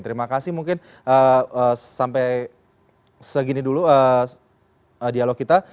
terima kasih mungkin sampai segini dulu dialog kita